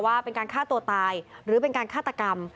ว่าเป็นการฆ่าตัวตายหรือเป็นการฆาตกรรม